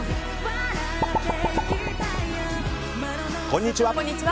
こんにちは。